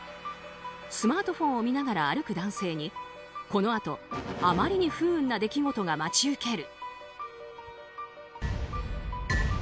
スマートフォンを見ながら歩く男性にこのあと、あまりに不運な出来事が待ち受ける。